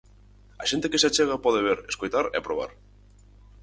A xente que se achega pode ver, escoitar e probar.